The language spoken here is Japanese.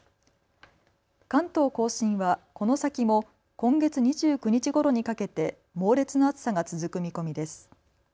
関東甲信はこの先も今月２９日ごろにかけて猛烈な暑さが続く見込みです。